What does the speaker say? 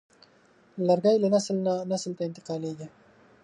لرګی له نسل نه نسل ته انتقالېږي.